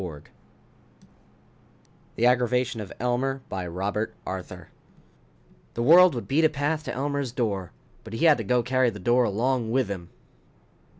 net The Aggravation of Elmer By ROBERT ARTHUR _The world would beat a path to Elmer's door but he had to go carry the door along with him!